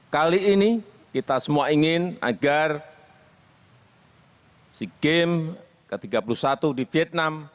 kali ini kita semua ingin agar sea games ke tiga puluh satu di vietnam